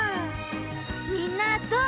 みんなどう？